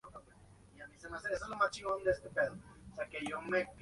La expedición duró tres años.